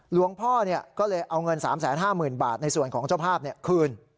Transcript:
หลวงพ่อก็เลยเอาเงิน๓๕๐๐๐บาทในส่วนของเจ้าภาพคืน